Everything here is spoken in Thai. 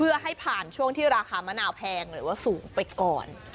เพื่อให้ผ่านช่วงที่ราคามะนาวแพงหรือว่าสูงไปก่อน